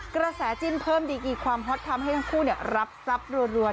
กระแสจิ้นเพิ่มดีกีความฮอตทำให้ทั้งคู่รับทรัพย์รัว